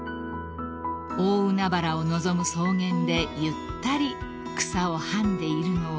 ［大海原を望む草原でゆったり草をはんでいるのは］